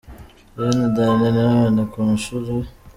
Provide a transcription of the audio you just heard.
Lanie na Danny Nanone ku ishuri.